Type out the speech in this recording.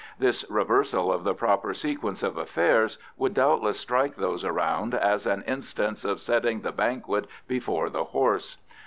This reversal of the proper sequence of affairs would doubtless strike those around as an instance of setting the banquet before the horse.